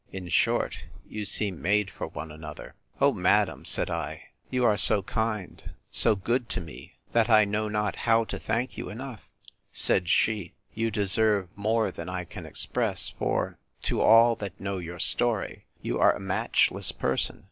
—In short, you seem made for one another. O madam, said I, you are so kind, so good to me, that I know not how to thank you enough!—Said she, You deserve more than I can express; for, to all that know your story, you are a matchless person.